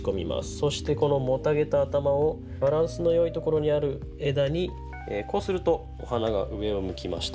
そしてこのもたげた頭をバランスのよいところにある枝にこうするとお花が上を向きました。